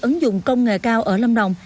ứng dụng công nghệ cao ở lâm đồng